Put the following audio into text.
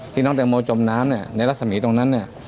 น้องแตงโมจมน้ำเนี่ยในรัศมีตรงนั้นเนี่ย